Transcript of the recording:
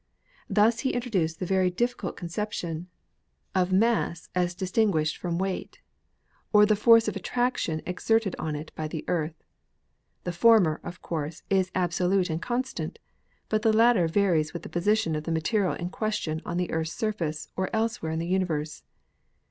Thus he introduced the very difficult conception of mass as THE LAW OF GRAVITATION 55 distinguished from weight, or the force of attraction ex erted on it by the Earth. The former, of course, is abso lute and constant, but the latter varies with the position of the material in question on the Earth's surface or else where in the universe.